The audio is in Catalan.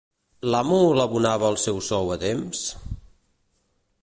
L'amo l'abonava el seu sou a temps?